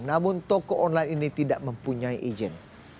namun toko online ini tidak mempunyai izin